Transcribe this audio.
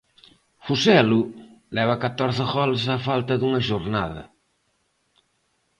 Joselu leva catorce goles á falta dunha xornada.